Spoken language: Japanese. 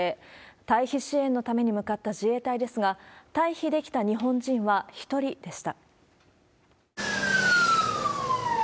退避支援のために向かった自衛隊ですが、退避できた日本人は１人でした。